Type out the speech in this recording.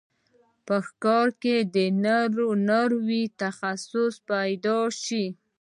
په ښکار کې د نارینه وو تخصص پیدا شو.